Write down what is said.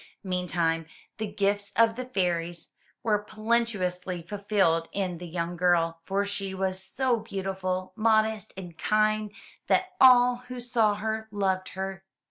Meantime, the gifts of the fairies were plenteously fulfilled in the young girl, for she was so beautiful, modest and kind that all who saw her loved her.